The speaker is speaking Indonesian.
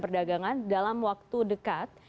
perdagangan dalam waktu dekat